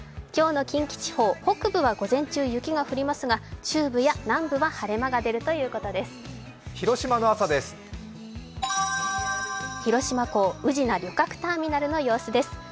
今日の近畿地方、北部は午前中雪が降りますが、中部や南部は晴れ間がでるということです。